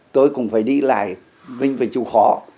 tôi cũng phải đi lại mình phải chịu khó